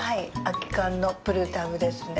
空き缶のプルタブですね。